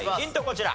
こちら。